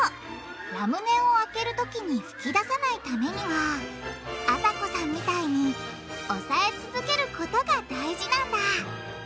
ラムネを開ける時に噴き出さないためにはあさこさんみたいに押さえ続けることが大事なんだ！